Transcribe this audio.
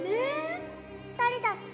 だれだっけ？